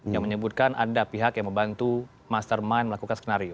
yang menyebutkan ada pihak yang membantu mastermind melakukan skenario